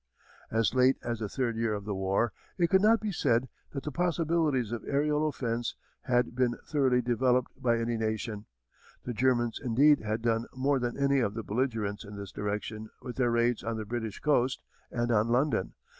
As late as the third year of the war it could not be said that the possibilities of aërial offense had been thoroughly developed by any nation. The Germans indeed had done more than any of the belligerents in this direction with their raids on the British coast and on London.